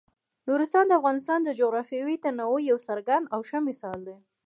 نورستان د افغانستان د جغرافیوي تنوع یو څرګند او ښه مثال دی.